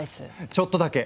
ちょっとだけ！